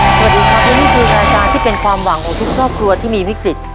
สวัสดีครับและนี่คือรายการที่เป็นความหวังของทุกครอบครัวที่มีวิกฤต